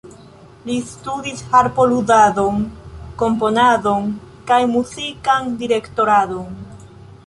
Li studis harpo-ludadon, komponadon kaj muzikan direktadon.